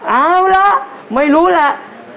เอาล่ะไม่รู้แหละ